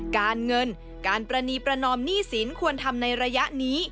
การเงินการประนีประนอมหนี้สินควรทำในระยะนี้